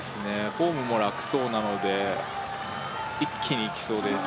フォームも楽そうなので一気にいきそうです